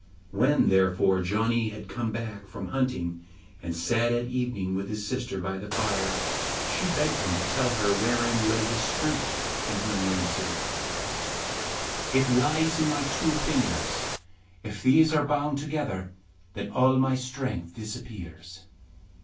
When, therefore, Janni had come back from hunting, and sat at evening with his sister by the fire, she begged him to tell her wherein lay his strength, and he answered: 'It lies in my two fingers; if these are bound together then all my strength disappears.